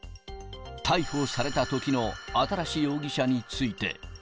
逮捕されたときの新容疑者について。